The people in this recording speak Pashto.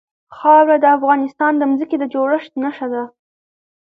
خاوره د افغانستان د ځمکې د جوړښت نښه ده.